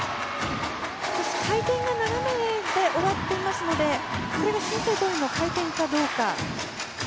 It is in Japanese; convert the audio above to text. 回転が斜めで終わっていますのでこれが申請どおりの回転かどうか。